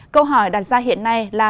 câu hỏi đặt ra hiện nay là